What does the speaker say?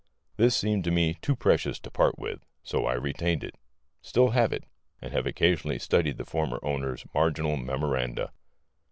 This seemed to me too precious to part with, so I retained it; still have it; and have occasionally studied the former owner's marginal memoranda.